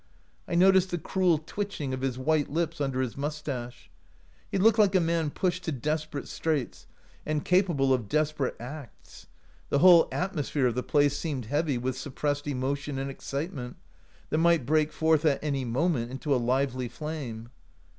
I noticed the cruel twitching of his white lips under his mustache. He looked like a man pushed to desperate straits and capable of desperate acts. The whole atmosphere of the place seemed heavy with suppressed emotion and excitement, that might break forth at any moment into a lively flame.